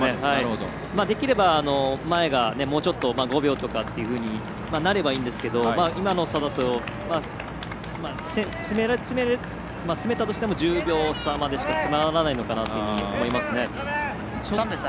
できれば、前がもうちょっと５秒とかっていうふうになればいいんですけど今の差だと詰めたとしても１０秒差までしかないのかと思います。